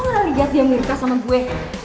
lo kenal liat dia mengerikas sama gue